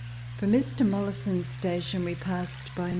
From Mr. Mollison's station we passed by Mt.